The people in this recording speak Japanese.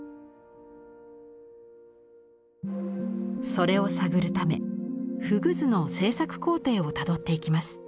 それを探るため「河豚図」の制作工程をたどっていきます。